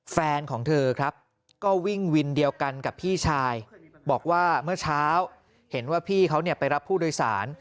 แฟนของเธอครับก็วิ่งวินเดียวกันกับพี่ชายบอกว่าเมื่อเช้าเห็นว่าพี่เขาไปรับผู้โดยสาร